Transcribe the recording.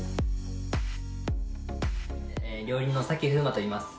料理人の崎楓真といいます。